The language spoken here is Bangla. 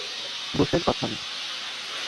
দোষের কথা না।